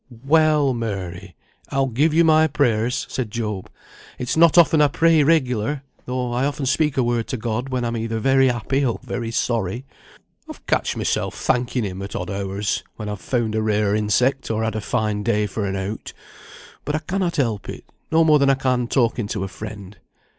"Well, Mary! I'll give you my prayers," said Job. "It's not often I pray regular, though I often speak a word to God, when I'm either very happy or very sorry; I've catched myself thanking Him at odd hours when I've found a rare insect, or had a fine day for an out; but I cannot help it, no more than I can talking to a friend.